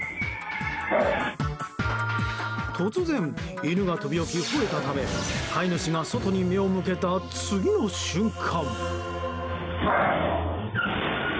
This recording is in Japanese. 突然、犬が飛び起き吠えたため飼い主が外に目を向けた次の瞬間。